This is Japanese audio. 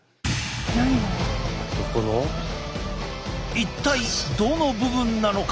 一体どの部分なのか？